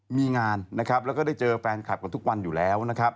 มีงานและก็ได้เจอแฟนคลับกันทุกวันอยู่แล้ว